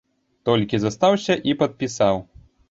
Толькі застаўся і падпісаў.